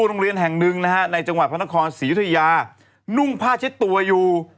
โรงเรียนแห่งหนึ่งนะฮะในจังหวัดพระนครศรียุธยานุ่งผ้าเช็ดตัวอยู่